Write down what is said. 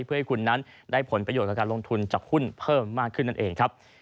เพื่อให้คุณนั้นได้ผลประโยชน์กับการลงทุนจากหุ้นเพิ่มมากขึ้นนั่นเองครับ